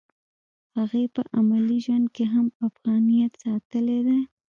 هغې په عملي ژوند کې هم افغانیت ساتلی دی